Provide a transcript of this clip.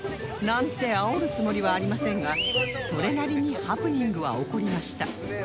なんてあおるつもりはありませんがそれなりにハプニングは起こりました